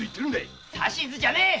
指図じゃねえ！